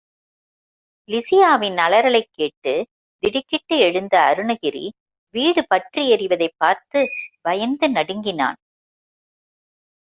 லிஸியாவின் அலறலைக் கேட்டு திடுக்கிட்டு எழுந்த அருணகிரி வீடு பற்றி எரிவதைப் பார்த்து பயந்து நடுங்கினாள்.